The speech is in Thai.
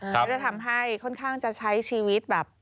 ก็จะทำให้ค่อนข้างจะใช้ชีวิตแบบ